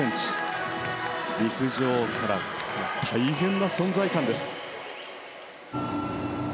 陸上から大変な存在感です。